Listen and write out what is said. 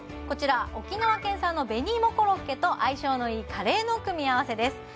こちら沖縄県産の紅いもコロッケと相性のいいカレーの組み合わせです